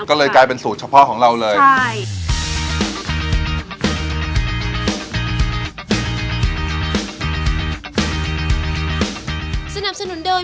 ก็เลยกลายเป็นสูตรเฉพาะของเราเลย